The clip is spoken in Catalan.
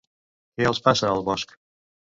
Què els passa al bosc?